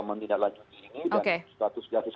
mendidaklanjuti ini dan status justice